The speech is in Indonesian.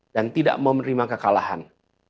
dan tidak mau menerima kekalahan